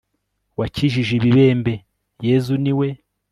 wakijije ibibembe, yezu ni we